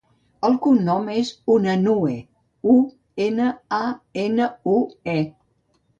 El cognom és Unanue: u, ena, a, ena, u, e.